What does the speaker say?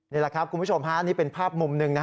นี่แหละครับคุณผู้ชมฮะนี่เป็นภาพมุมหนึ่ง